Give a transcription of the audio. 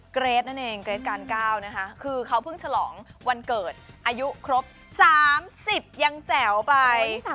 เกรทนั่นเองเกรทการ๙นะคะคือเขาเพิ่งฉลองวันเกิดอายุครบ๓๐ยังแจ๋วไป